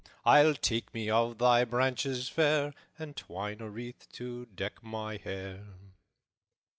I'll take me of thy branches fair And twine a wreath to deck my hair.